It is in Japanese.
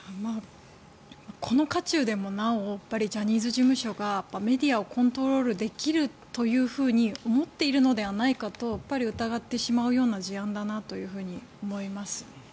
この渦中でもなおジャニーズ事務所がメディアをコントロールできるというふうに思っているのではないかと疑ってしまうような事案だなと思います。